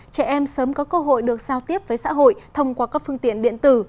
trẻ em sớm có cơ hội được giao tiếp với xã hội thông qua các phương tiện điện tử